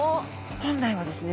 本来はですね